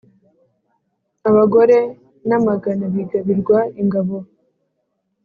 abagore n’amagana bigabirwa ingabo